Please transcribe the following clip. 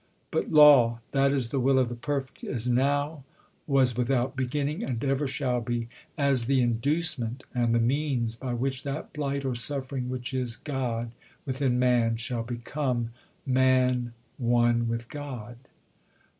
But Law (that is, the will of the Perfect) is now, was without beginning, and ever shall be, as the inducement and the means by which that blight or suffering which is God within man, shall become man one with God.